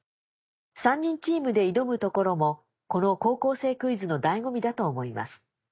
３人チームで挑むところもこの『高校生クイズ』の醍醐味だと思います。